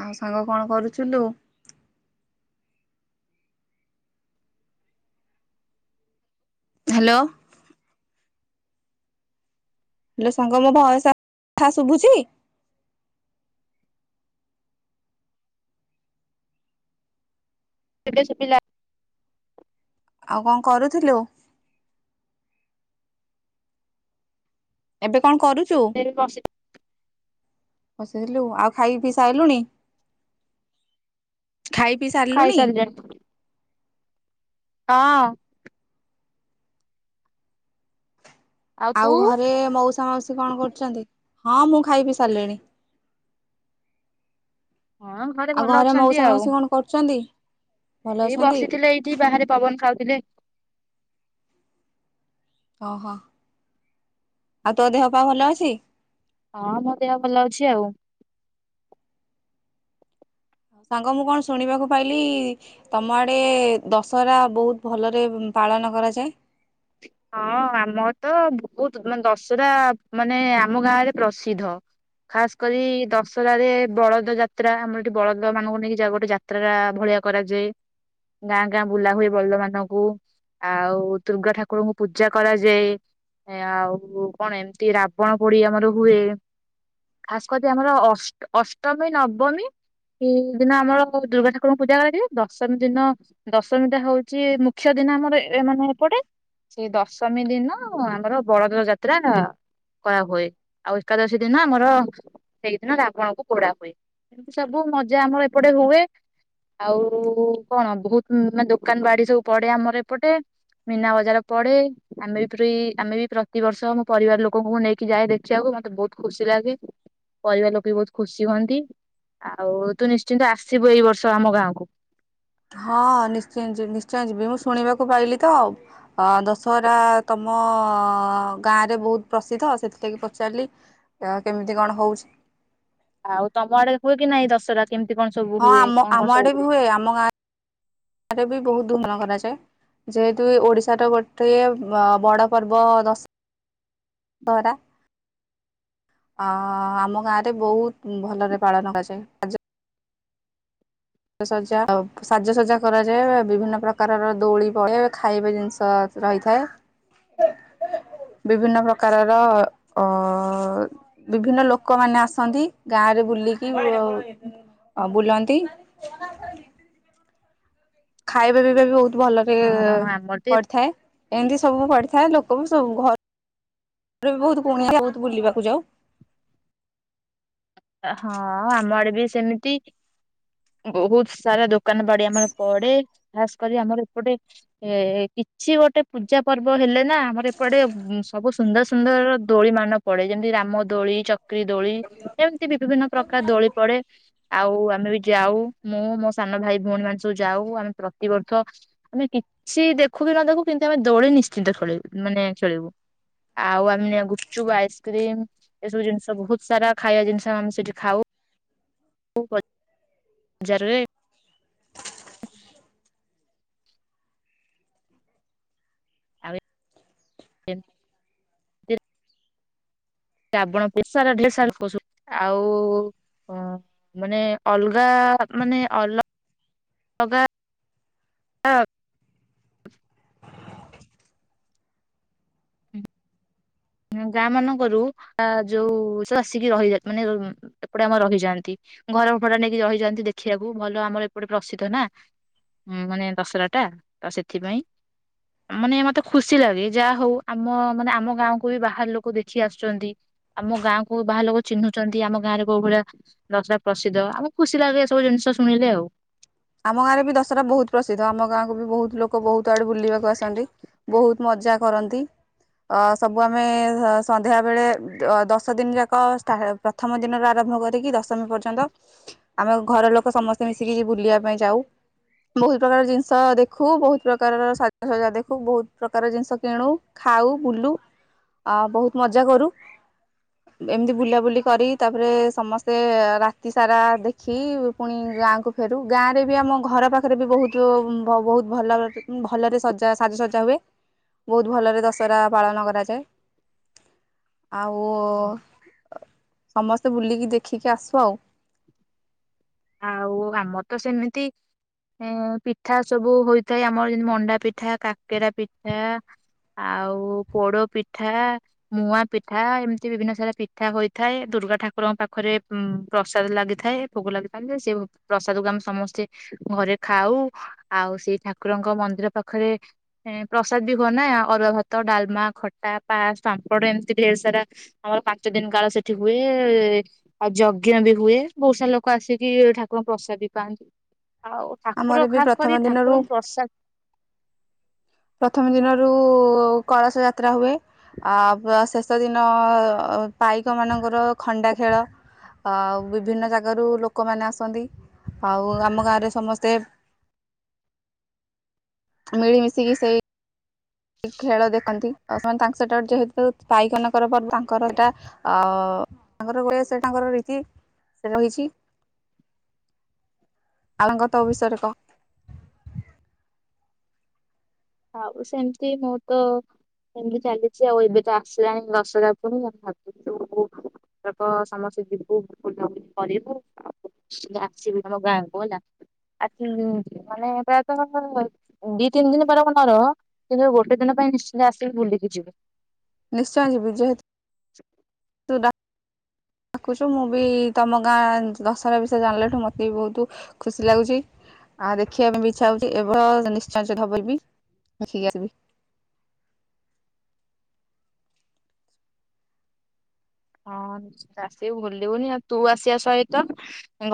ଆଉ ସାଙ୍ଗ କଣ କରୁଛୁଲୁ? ହାଲୋ। ହାଲୋ ସାଙ୍ଗ ମୋ ଭୟସ ଆ ଥା ଶୁଭୁଚି? ଏବେ ଶୁଭିଲା। ଆଉ କଁ କରୁଥିଲୁ? ଏବେ କଣ କରୁ ଏରି ବସି ବସିଥିଲୁ। ଆଉ ଖାଇ ପିଇ ସାଇଲୁଣି? ଖାଇ ପିଇ ସାରଲୁଣି? ଖାଇସାରିଲେଣି ହଁ। ଆଉ ଘରେ ମଉସା ମାଉସୀ କଣ କରୁଚନ୍ତି? ହଁ ମୁଁ ଖାଇ ପିଊ ସାରଲିଣି। ହଁ ଆଉ ଭଲ ଘରେ ଅଛନ୍ତି ମୋଉସା ଆଉ ମାଉସୀ କଣ କରୁଚନ୍ତି? ଏଇ ବସିଥିଲେ ଏଇଠି ବାହାରେ ପବନ ଖାଉଥୁଲେ। ଓହୋ ଆଉ ତୋ ଦେହ ପା ଭଲ ଅଛି? ହଁ ମୋ ଦେହ ଭଲ ଅଛି ଆଉ। ସାଙ୍ଗ ମୁଁ କଣ ଶୁଣିବାକୁ ପାଇଲି ତମ ଆଡ଼େ ଦଶହରା ବୋହୁତ ଭଲରେ ପାଳନ କରାଯାଏ। ହଁ ଆମର ତ ବୋହୁତ ମାନେ ଦଶରା ମାନେ ଆମ ଗାଁରେ ପ୍ରସିଦ୍ଧ। ଖାସ କରି ଦଶରାରେ ବଳଦ ଯାତ୍ରା ଆମର ଏଠି ବଳଦମାନଙ୍କୁ ନେଇକି ଯା ଗୋଟେ ଯାତ୍ରା ରା ଭଳିଆ କରାଯାଏ। ଗାଁ ଗାଁ ବୁଲା ହୁଏ ବଳଦମାନଙ୍କୁ ଆଉ ଦୁର୍ଗା ଠା କୁରଙ୍କୁ ପୂଜା କରାଯାଏ। ଆଉ କଣ ଏମତି ରାବଣ ପୋଡ଼ି ଆମର ହୁଏ। ଖାସ କରି ଆମର ଅଷ୍ଟ୍ ଅଷ୍ଟମୀ ନବମୀ ଇ ଦିନ ଆମର କୋଉ ଦୁର୍ଗା ଠାକୁରଙ୍କୁ ପୂଜା କରାଯାଏ। ଦଶମୀ ଦିନ ଦଶମୀଟା ହଉଚି ମୁଖ୍ୟ ଦିନ ଆମର ଏ ମାନେ ଏପଟେ। ସେଇ ଦଶମୀ ଦିନ ଆମର ବଳଦର ଯାତ୍ରା କରାହୁଏ। ଆଉ ଏକାଦଶୀ ଦିନ ଆମର ସେଇଦିନ ରାବଣକୁ ପୋଡ଼ା ହୁଏ। ଏମିତି ସବୁ ମଜା ଆମର ଏପଟେ ହୁଏ। ଆଉ କଣ ବୋହୁତ ନାଁ ଦୋକାନ ବାଡ଼ି ସବୁ ପଡେ ଆମର ଏପଟେ। ମୀନା ବଜାର ପଡେ। ଆମେ ବି ପ୍ରି ଆମେ ବି ପ୍ରତି ବର୍ଷ ମୋ ପରିବାର ଲୋକଙ୍କୁ ନେଇକି ଯାଏ ଦେଖିବାକୁ ମତେ ବୋହୁତ ଖୁସି ଲାଗେ ପରିବାର ଲୋକେ ବି ବୋହୁତ ଖୁସି ହୁଅନ୍ତି। ଆଉ ତୁ ନିଶ୍ଚିନ୍ତ ଆସିବୁ ଏଇ ବର୍ଷ ଆମ ଗାଁକୁ। ହଁ ନିଶ୍ଚୟ ଯିବି ନିଶ୍ଚୟ ଯିବି। ମୁଁ ଶୁଣିବାକୁ ପାଇଲି ତ ଅଁ ଦଶହରା ତମ ଗାଁରେ ବୋହୁତ ପ୍ରସିଦ୍ଧ ସେଥିଲାଗି ପଚାରିଲି ଅ କେମିତି କଣ ହୋଉଛି। ଆଉ ତମ ଆଡ଼େ ହୁଏ କି ନାଇଁ ଦଶରା? ହଁ ଆମ ଆମ ଆଡ଼େ ବି ହୁଏ ଆମ ଗାଁ ଆରେ ବି ବୋହୁତ ଧୁନ କରାଯାଏ। ଯେହେତୁ ଏ ଓଡିଶାର ଗୋଟେ ବ ବଡ଼ ପର୍ବ ଦଶ ହରା ଅଁ ଆମ ଗାଁରେ ବୋହୁତ ଭଲରେ ପାଳନ କରାଯାଏ। ଆଜ ସଜା ଆଉ ସାଜସଜା କରାଯାଏ। ବିଭିନ୍ନ ପ୍ରକାରର ଦୋଳି ପଡ଼େ ଖାଇବା ଜିନିଷ ରହିଥାଏ। ବିଭିନ୍ନ ପ୍ରକାରର ଅ ବିଭିନ୍ନ ଲୋକମାନେ ଆସନ୍ତି ଗାଁରେ ବୁଲିକି ଅ ବୁଲନ୍ତି‌। [unintelligible] ଖାଇବା ପିଇବା ବି ବୋହୁତ ଭଲକି ହଁ ଆମର ତ ଏ- ପଡ଼ିଥାଏ ଏନ୍ତି ସବୁ ପଡି଼ ଥାଏ ଲୋକ ବି ସବୁ ଘ ରେ ବି ବୋହୁତ କୁଣିଆ ବୋହୁତ ବୁଲିବାକୁ ଯାଉ। ହଁ ଆମ ଆଡ଼େ ବି ସେମିତି ବୋହୁତ ସାରା ଦୋକାନ ବାଡ଼ି ଆମର ପଡ଼େ। ଖାସ୍ କରି ଆମର ଏପଟେ ଏ କିଛି ଗୋଟେ ପୂଜା ପର୍ବ ହେଲେ ନାଁ ଆମର ଏପଟେ ଉଁ ସବୁ ସୁନ୍ଦର ସୁନ୍ଦର ଦୋଳି ମାନ ପଡ଼େ ଯେମିତି ରାମ ଦୋଳି ଚ କ୍ରି ଦୋଳି ଏମିତି ବି ବିଭିନ୍ନ ପ୍ରକାର ଦୋଳି ପଡେ ଆଉ ଆ ଆମେ ବି ଯାଉ, ମୁଁ ମୋ ସାନ ଭାଇ ଭଉଣୀ ମାନେ ସବୁ ଯାଉ ଆମେ ପ୍ରତିବର୍ଷ ଆମେ କିଛି ଦେଖୁ କି ନ ଦେଖୁ କିନ୍ତୁ ଆମେ ଦୋଳି ନିଶ୍ଚିନ୍ତ ଖେଳୁ ମାନେ ଖେଳିବୁ, ଆଉ ଆମେ ଗୁପଚୁପ, ଆଇସ୍କ୍ରିମ ଏସବୁ ଜିନିଷ ବହୁତ ସାରା ଖାଇବା ଜିନିଷ ଆମେ ସେଠି ଖାଉ [unintelligible] ବଜାରରେ [inaudible] ଆଉ [unintelligible] ରାବଣ ପେଷର ଠେଷର [unintelligible] ଆଉ ଉଁ ମାନେ ଅଲଗା ମାନେ ଅ ଅଲଗା ଆ [inaudible] ଗାଁ ମାନଙ୍କରୁ ଆ ଯୋଉ ସବୁ ଆସିକି ରହିଯା ମାନେ ଏପଟେ ଆମର ରହିଯାଆନ୍ତି, ଘର ଭଡା ନେଇକି ରହିଯାଆନ୍ତି, ଦେଖିଆକୁ ଭଲ ଆମର ଏପଟେ ପ୍ରସିଦ୍ଧ ନା ମାନେ ଦଶରାଟା ତ ସେଥିପାଇଁ ମାନେ ମତେ ଖୁସି ଲାଗେ ଯାହଉ ଆମ ମାନେ ଆମ ଗାଁକୁ ବି ବାହାର ଲୋକ ଦେଖି ଆସୁଛନ୍ତି, ଆମ ଗାଁକୁ ବାହାର ଲୋକ ଚିହ୍ନୁଛନ୍ତି, ଆମ ଗାଁରେ କୋଉ ଭଳିଆ ଦଶରା ପ୍ରସିଦ୍ଧ ଆମକୁ ଖୁସି ଲାଗେ ଏ ସବୁ ଜିନିଷ ଶୁଣିଲେ ଆଉ। ଆମ ଗାଁରେ ବି ଦଶରା ବହୁତ ପ୍ରସିଦ୍ଧ, ଆମ ଗାଁକୁ ବି ବହୁତ ଲୋକ ବହୁତ ଆଡୁ ବୁଲିବାକୁ ଆସନ୍ତି, ବହୁତ ମଜା କରନ୍ତି, ଅ ସବୁ ଆମେ ସନ୍ଧ୍ୟା ବେଳେ ଦଶ ଦିନ ଯାକ ସ୍ଥା ପ୍ରଥମ ଦିନରୁ ଆରମ୍ଭ କରିକି ଦଶମୀ ପର୍ଯ୍ୟନ୍ତ ଆମ ଘର ଲୋ କ ସମସ୍ତେ ମିଶିକି ଯି ବୁଲିଆ ପାଇଁ ଯାଉ ବହୁତ ପ୍ରକାର ଜିନିଷ ଦେଖୁ, ବହୁତ ପ୍ରକାରର ସାଜସଜ୍ଜା ଦେଖୁ ବହୁତ ପ୍ରକାର ଜିନିଷ କିଣୁ ଖାଉ ବୁଲୁ ଆ ବହୁତ ମଜା କରୁ, ଏମିତି ବୁଲାବୁଲି କରି ତାପରେ ସମସ୍ତେ ରାତି ସାରା ଦେଖି ପୁଣି ଗାଁକୁ ଫେରୁ। ଗାଁରେ ବି ଆମ ଘର ପାଖରେ ବୋହୁତ ବ ବହୁତ ଭଲ ଭଲରେ ସଜା ସାଜସଜ୍ଜା ହୁଏ, ବୋହୁତ ଭଲରେ ଦଶହରା ପାଳନ କରାଯାଏ। ଆଉ ସମସ୍ତେ ବୁଲିକି ଦେଖିକି ଆସୁ ଆଉ। ଆଉ ଆମର ତ ସେମିତି ଏଁ ପିଠା ସବୁ ହୋଇଥାଏ ଆମର ଯେମିତି ମଣ୍ଡା ପିଠା କାକେରା ପିଠା ଆଉ ପୋଡ ପିଠା ମୁଆଁ ପିଠା ଏମିତି ବିଭିନ୍ନ ସାରା ପିଠା ହୋଇଥାଏ ଦୁର୍ଗା ଠାକୁରଙ୍କ ପାଖରେ ଉଁ ପ୍ରସାଦ ଲାଗିଥାଏ ଭୋଗ ଲାଗି [unintelligible] ଲେ ସେ ପ୍ରସାଦକୁ ଆମେ ସମସ୍ତେ ଘରେ ଖାଉ ଆଉ ସେଇ ଠାକୁରଙ୍କ ମନ୍ଦିର ପାଖରେ ପ୍ରସାଦ ବି ହୁଅ ନା ଅରୁଆ ଭାତ ଡାଲମା ଖଟା ପା ସାମ୍ପଡ ଏମିତି ଢେର ସାରା ଆମର ପାଞ୍ଚ ଦିନ କାଳ ସେଠି ହୁଏ ଆଉ ଯଜ୍ଞ ବି ହୁଏ ବହୁତ ସାରା ଲୋକ ଆସି କିି ଠାକୁରଙ୍କ ପ୍ରସାଦ ବି ପାଆନ୍ତି। ଆଉ ଆମର ଠାକୁର ବି ଖାସ୍ କରି ପ୍ରଥମ ଦିନରୁ ଠାକୁରଙ୍କୁ ପ୍ରସାଦ ପ୍ରଥମ ଦିନରୁ କଳସ ଯାତ୍ରା ହୁଏ। ଆ ବା ଶେଷ ଗତ ଦିନ ପାଇକମାନଙ୍କର ଖଣ୍ଡା ଖେଳ, ଆଉ ବିଭିନ୍ନ ଜାଗାରୁ ଲୋକମାନେ ଆସନ୍ତି ଆଉ ଆମ ଗାଁରେ ସମସ୍ତେ ମିଳି ମିଶିକି ସେଇ ଖେଳ ଦେଖନ୍ତି ଆଉ ସେମାନେ ତାଙ୍କ ସେଟା ଯେହେତୁ ପାଇକ ନା କର ପରେ ଆଙ୍କର ସେଇଟା ତାଙ୍କର ସେ ହୁଏ ତାଙ୍କର ରୀତି ସେ ରହିଛି [unintelligible] ତ ବିଷୟରେ କହ ଆଉ ସେମିତି ମୁଁ ତ ସେମିତି ଚାଲିଛି ଆଉ ଏବେ ତ ଆସିଲାଣି ଦଶହରା ପୁଣି ଭାବିଛୁ, ଏଥର ସମସ୍ତେ ଯିବୁ ବୁୁ କରିବୁ ଆସିବୁ ଆମ ଗାଁକୁ ହେଲା ଆ ମାନେ ପ୍ରାୟତଃ ଦି ତିନି ଦିନ ପରେ ଆର କିନ୍ତୁ ଗୋଟେ ଦିନ ପାଇଁ ନିଶ୍ଚିନ୍ତ ଆସିକି ବୁଲିକି ଯିବୁ ନିଶ୍ଚୟ ଯିବି, ଯେହେତୁ ତୁ ଡାକୁଛୁ ମୁଁ ବି ତମ ଗାଁ ଦଶହରା ବିଷୟ ଜାଣିଲାଠୁ ମତେ ବି ବହୁତ ଖୁସି ଲାଗୁଛି ଆ ଦେଖିବା ପାଇଁ ବି ଇ୍ଛା ହଉଛି ଏ ବର୍ଷ ନିଶ୍ଚୟ ଯଦି ହବଲବି ଦେଖିକି ଆସିବି ହଁ ନିଶ୍ଚିତ ଆସିବୁ ଭୁଲିବୁନି ଆଉ ତୁ ଆସିବା ସହିତ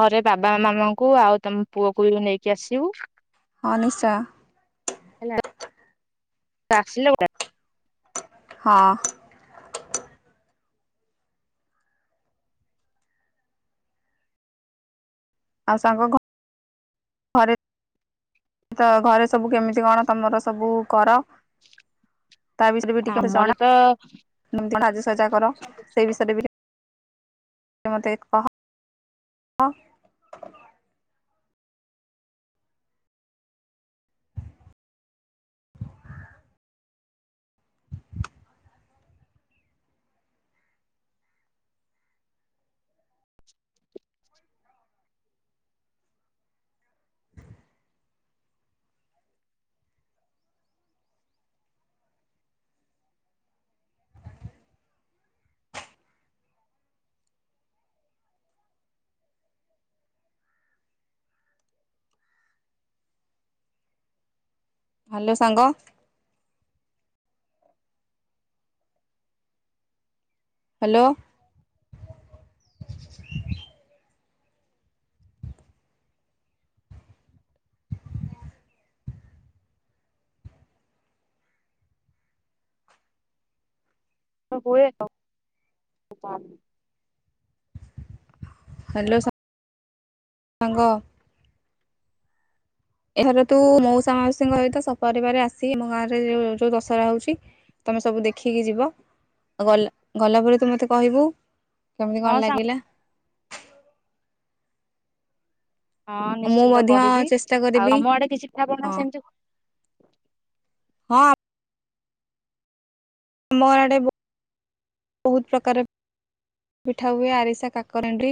ଘରେ ବାବା ମାମାଙ୍କୁ ଆଉ ତମ ପୁଅକୁ ବି ନେଇକି ଆସିବୁ। ହଁ ନିଶ୍ଚୟ। ହେଲା ଆସିଲ [unintelligible] ହଁ ଆଉ ସାଙ୍ଗ ଘରେ ଘରେ ସବୁ କେମିତି କଣ ତମର ସବୁ କର। ତା ବିଷୟରେ ବି ଟିକେ ଆମର ଜଣା, ତ ଏମତି ସାଜସଜା କର ସେଇ ବିଷୟରେ ବି। ସେ ମତେ କହ [inaudible] ହ୍ୟାଲୋ ସାଙ୍ଗ। ହ୍ୟାଲୋ ହୁଏ ଆଉ [inaudible] ହ୍ୟାଲୋ ସା ସାଙ୍ଗ ଏହାର ତୁ ମଉସା ମାଉସୀଙ୍କ ସହିତ ସପାରିବାର ଆସିିକି ମୋ ଗାଁରେ ଯୋଉ ଦଶହରା ହେଉଛି, ତମେ ସବୁ ଦେଖିକି ଯିବ ଆଉ ଗଲା ଗଲା ପରେରେ ତୁ ମୋତେ କହିବୁ। କେମିତି କଣ ସାଙ୍ଗ, ଲାଗିଲା। ହଁ ମୁଁ ନିଶ୍ଚିନ୍ତ ମଧ୍ୟ କହିବି, ଚେଷ୍ଟା ଆଉ କରିବି ତମ ଆଡେ କିଛି [unintelligible] ହଁ ସେମିତି। ହଁ ଆମର ଆଡେ ବ ବହୁତ ପ୍ରକାର ପିଠା ହୁଏ ଆରିସା କାକରା ଏଣ୍ଡୁରି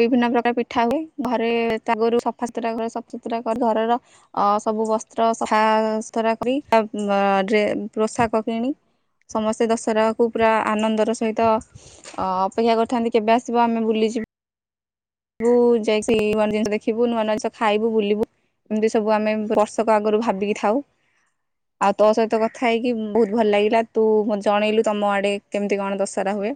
ବିଭିନ୍ନ ପ୍ରକାର ପିଠା ହୁଏ ଘରେ ତାଗରୁ ସଫାସତୁରା ସା ସୁତୁରା କରି ଘରର ସବୁ ବସ୍ତ୍ର ସଫା ସୁତୁରା କରି ଡ୍ରେ ପୋଷାକ କିଣି ସମସ୍ତେ ଦଶହରା ପୁରା ଆନନ୍ଦର ସହିତ ଅପେକ୍ଷା କରିଥାନ୍ତି କେବେ ଆସିବ ଆମେ ବୁଲିଯିବୁ। ଠୁ ଯାଇକି ସେ ଜିନିଷ ଦେଖିବୁ ନୂଆ ନୂଆ ଜିନିଷ ଖାଇବୁ ବୁଲିବୁ ଏମିତି ସବୁ ଆମେ ବର୍ଷକ ଆଗରୁ ଭାବିକି ଥାଉ ଆଉ ତୋ ସହିତ କଥା ହେଇକି ବହୁତ ଭଲ ଲାଗିଲା ତୁ ଜଣେଇଲୁ ତମ ଆଡେ କେମିତି କଣ ଦଶହରା ହୁଏ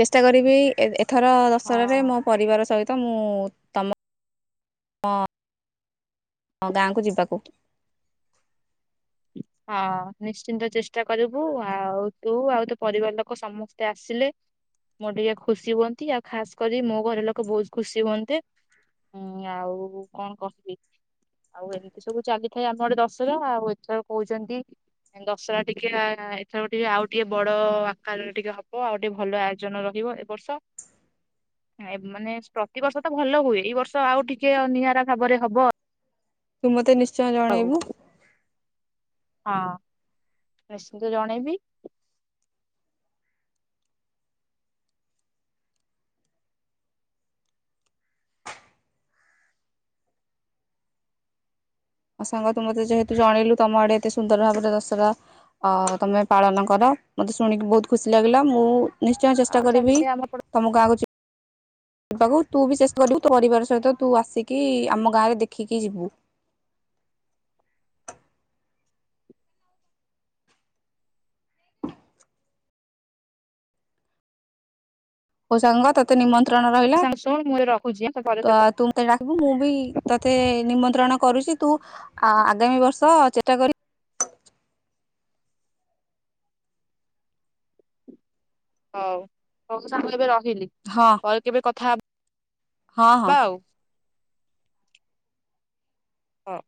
ଚେଷ୍ଟା କରିବି ଏ ଏଥର ଦଶହରାରେ ରେ ହଁ ମୋ ପରିବାର ସହିତ ମୁଁ ତମ ହଁ ହଁ ଗାଁକୁ ଯିବାକୁ ହଁ ନିଶ୍ଚିନ୍ତ ଚେଷ୍ଟା କରିବୁ ଆଉ ତୁ ଆଉ ତୋ ପରିବାର ଲୋକ ସମସ୍ତେ ଆସିଲେ ମୋର ଟିକେ ଖୁସି ହୁଅନ୍ତି ଆଉ ଖାସ କରି ମୋ ଘର ଲୋକ ବହୁତ ଖୁସି ହୁଅନ୍ତେ ଉଁ ଆଉ କଣ କହିବି ଆଉ ଏମିତି ସବୁ ଚାଲିଥାଏ ଆମର ଦଶହରା ଆଉ ଏଥର କହୁଛନ୍ତି ଦଶହରା ଟିକେ ଏଥର ଟିକେ ଆଉ ଟିକେ ବଡ ଆକାରରେ ଟିକେ ହବ ଆଉ ଟିକେ ଭଲ ଆୟୋଜନ ରହିବ ଏ ବର୍ଷ ମାନେ ପ୍ରତିବର୍ଷ ତ ଭଲ ହୁଏ ଏଇ ବର୍ଷ ଆଉ ଟିକେ ନିଆରା ଭାବରେ ହବ ଆଉ। ତୁ ମତେ ନିଶ୍ଚ ଚୟ ଜଣେଇବୁ ହଁ ନିଶିନ୍ତ ଜଣେଇବି। ଆ ସାଙ୍ଗ ତୁ ମତେ ଯେହେତୁ ଜଣେଇଲୁ ତମ ଆଡେ ଏତେ ସୁନ୍ଦର ଭାବରେ ଦଶହରା ଅ ତମେ ପାଳନ କର ମତେ ଶୁଣିକି ବହୁତ ଖୁସି ଲାଗିଲା ମୁଁ। ନିଶ୍ଚୟ ଆଉ ଚେଷ୍ଟା କରିବି ଚାଲିଥାଏ ଆମ ତମକୁ ଗାଁ କୁ ଯି ପାକୁ ତୁ ବି ଚେଷ୍ଟ କରିବୁ ତୋ ପରିବାର ସହିତ ତୁ ଆସିକି ଆମ ଗାଁରେ ଦେଖିକି ଯିବୁ। ହ ସାଙ୍ଗତତେ ନିମନ ତ୍ରଣ ରହିଲା ପଡୋଶୀ ସାଙ୍ଗ। ଶୁଣ ମୁଁ ଏବେ ରଖୁଛି ଆଁ, ତୋ ପରେ ତ ତୁ ଡାକିବୁ ମୁଁ ବି ତୋତେ ନିମନ୍ତ୍ରଣ କରୁଛି ତୁ। ଆ ଆଗାମୀ ବର୍ଷ ଚେଷ୍ଟା କରିବି। ହଉ ହଉ ମୁଁ ସାଙ୍ଗ ଏବେ ର ଖିଲି ହଁ ପରେ କେବେ କଥା ହ ହଁ ହଁ। ହଁ